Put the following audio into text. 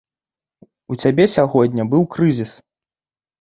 У цябе сягоння быў крызіс.